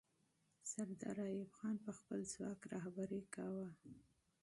سردار ایوب خان به خپل ځواک رهبري کاوه.